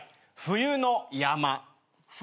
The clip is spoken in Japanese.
冬の山ね。